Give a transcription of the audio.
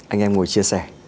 anh em ngồi chia sẻ